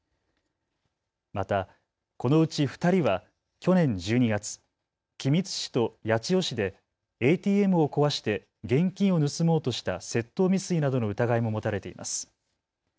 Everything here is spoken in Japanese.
またこのうち２人は去年１２月、君津市と八千代市でＡＴＭを壊して現金を盗もうとした窃盗未遂などの疑いも持たれています。